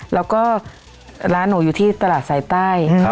แล้วก็ร้านหนูอยู่ที่ตลาดสายใต้